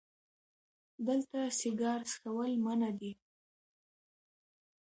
دلته سیګار څکول منع دي🚭